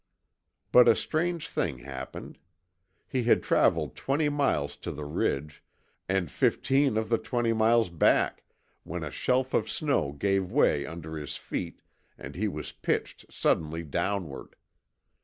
But a strange thing happened. He had travelled twenty miles to the ridge, and fifteen of the twenty miles back, when a shelf of snow gave way under his feet and he was pitched suddenly downward.